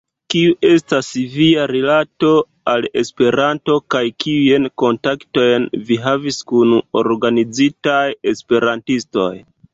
Kiu estas via rilato al Esperanto kaj kiujn kontaktojn vi havis kun organizitaj esperantistoj?